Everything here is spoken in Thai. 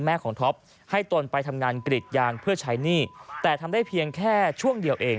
ของท็อปให้ตนไปทำงานกรีดยางเพื่อใช้หนี้แต่ทำได้เพียงแค่ช่วงเดียวเอง